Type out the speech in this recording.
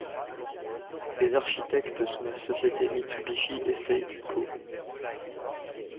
Les architectes sont la société Mitsubishi Estate Co.